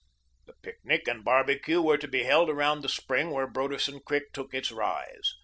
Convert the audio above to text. The picnic and barbecue were to be held around the spring where Broderson Creek took its rise.